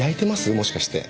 もしかして。